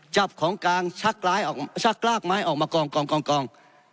จับของกลางชักร้ายออกชักรากไม้ออกมากองกองกองกอง